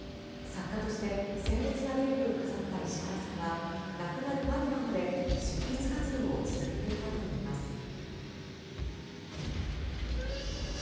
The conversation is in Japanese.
作家として鮮烈なデビューを飾った石原さんは亡くなる間際まで執筆活動を続けていたといいます。